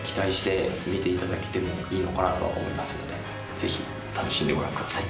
ぜひ楽しんでご覧ください。